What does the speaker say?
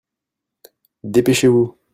Dépêchez-vous !